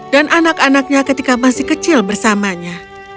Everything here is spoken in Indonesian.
dan anak anaknya ketika masih kecil bersamanya